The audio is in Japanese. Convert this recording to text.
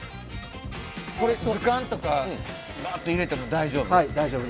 これ図鑑とかばっと入れても大丈夫？